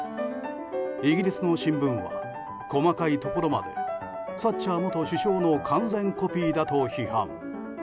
イギリスの新聞は細かいところまでサッチャー元首相の完全コピーだと批判。